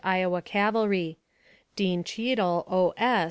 Iowa Cavalry. DEAN CHEADLE, 0. S.